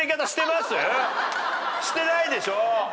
してないでしょ？